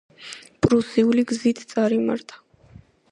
პრუსიული გზით წარიმართა.